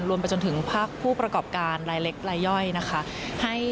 ไปจนถึงภาคผู้ประกอบการรายเล็กรายย่อยนะคะ